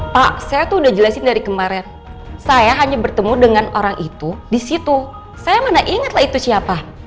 pak saya tuh udah jelasin dari kemarin saya hanya bertemu dengan orang itu di situ saya mana ingatlah itu siapa